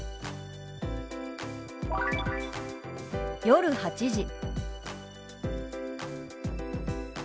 「夜８時」。